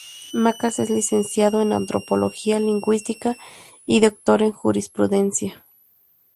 Macas es licenciado en antropología, lingüística y doctor en jurisprudencia.